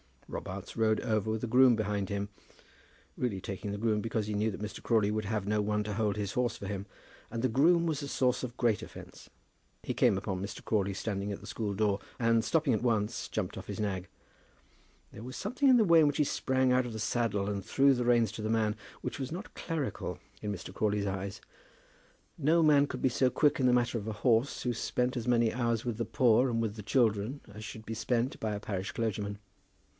Robarts rode over with a groom behind him, really taking the groom because he knew that Mr. Crawley would have no one to hold his horse for him; and the groom was the source of great offence. He came upon Mr. Crawley standing at the school door, and stopping at once, jumped off his nag. There was something in the way in which he sprang out of the saddle and threw the reins to the man, which was not clerical in Mr. Crawley's eyes. No man could be so quick in the matter of a horse who spent as many hours with the poor and with the children as should be spent by a parish clergyman.